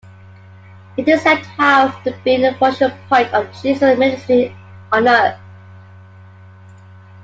It is said to have been the focal point of Jesus' ministry on earth.